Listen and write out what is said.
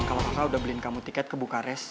kalau kakak udah beliin kamu tiket ke bukares